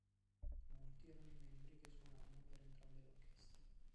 Molti erano i membri che suonavano per entrambe le orchestre.